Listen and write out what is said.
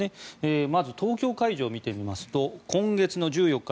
まず東京会場を見てみますと今月の１４日